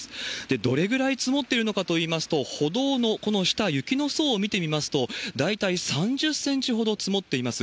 どれぐらい積もってるのかといいますと、歩道のこの下、雪の層を見てみますと、大体３０センチほど積もっています。